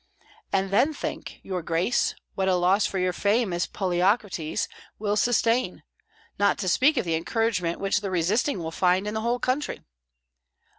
And then think, your grace, what a loss your fame as Poliorcetes will sustain, not to speak of the encouragement which the resisting will find in the whole country.